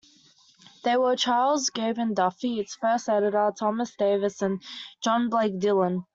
They were Charles Gavan Duffy, its first editor; Thomas Davis, and John Blake Dillon.